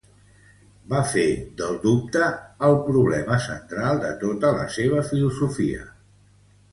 Va fer del dubte el problema central de tota la seua filosofia.